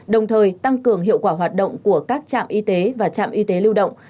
đồng thời tăng cường hiệu quả hoạt động của các trạm y tế và trạm y tế lưu động